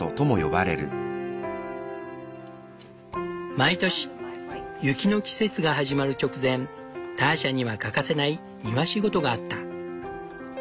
毎年雪の季節が始まる直前ターシャには欠かせない庭仕事があった。